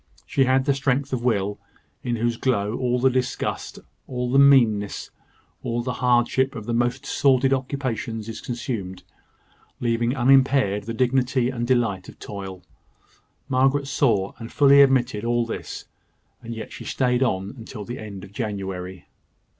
She had the strength of will, in whose glow all the disgust, all the meanness, all the hardship of the most sordid occupations is consumed, leaving unimpaired the dignity and delight of toil. Morris saw and fully admitted all this; and yet she stayed on till the end of January.